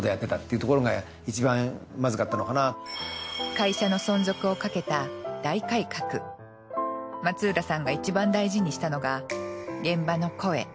会社の存続をかけた松浦さんがいちばん大事にしたのが現場の声。